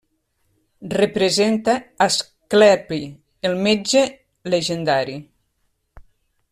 Representa Asclepi, el metge llegendari.